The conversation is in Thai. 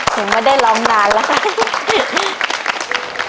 ถึงไม่ได้ร้องนานแล้วค่ะ